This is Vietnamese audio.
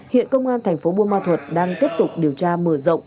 hiện công an thành phố buôn ma thuật đang tiếp tục điều tra mở rộng